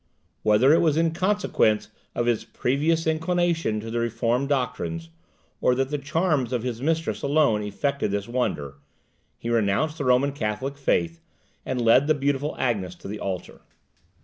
Whether it was in consequence of his previous inclination to the reformed doctrines, or that the charms of his mistress alone effected this wonder, he renounced the Roman Catholic faith, and led the beautiful Agnes to the altar.